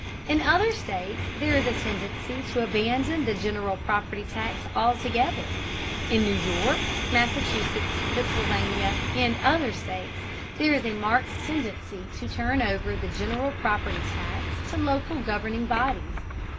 In other states there is a tendency to abandon the general property tax altogether. In New York, Massachusetts, Pennsylvania, and other states, there is a marked tendency to turn over the general property tax to local governing bodies.